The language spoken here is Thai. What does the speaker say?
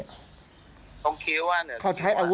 ตรงคิ้วตรงนี้บ้าง